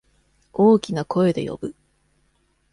大きな声で呼ぶ。